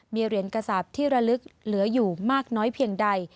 มีเหรียญกระสาปที่ระลึกเหลืออยู่มากน้อยเพียงใด